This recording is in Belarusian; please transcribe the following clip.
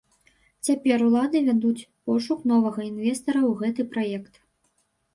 Цяпер улады вядуць пошук новага інвестара ў гэты праект.